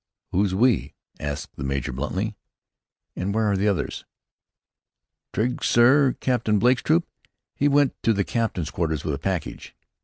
"Who's we?" asked the major, bluntly. "And where are the others?" "Trigg, sir Captain Blake's troop. He went to the captain's quarters with a package."